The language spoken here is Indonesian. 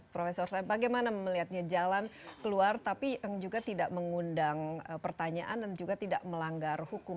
profesor said bagaimana melihatnya jalan keluar tapi yang juga tidak mengundang pertanyaan dan juga tidak melanggar hukum